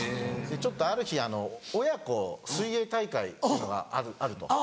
ちょっとある日親子水泳大会っていうのがあると。